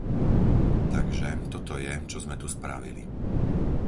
Takže, toto je, čo sme tu spravili.